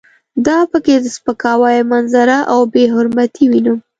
دا په کې د سپکاوي منظره او بې حرمتي وینم.